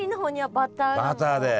バターで。